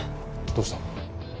どうした？